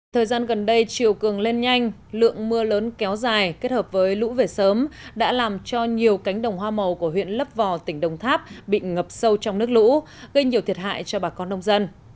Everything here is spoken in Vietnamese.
thời gian gần đây chiều cường lên nhanh lượng mưa lớn kéo dài kết hợp với lũ về sớm đã làm cho nhiều cánh đồng hoa màu của huyện lấp vò tỉnh đồng tháp bị ngập sâu trong nước lũ gây nhiều thiệt hại cho bà con nông dân